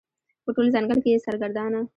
په ټول ځنګل کې یې سرګردانه